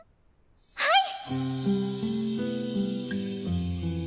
はい！